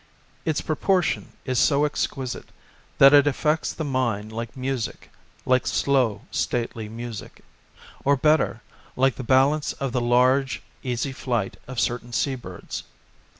Its proportion is so exquisite that it affects the mind like music, like slow, stately music ; or, better, like the balance of the large, easy flight of certain sea birds.